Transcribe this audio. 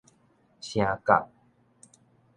聲角